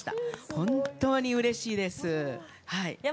本当にうれしいです。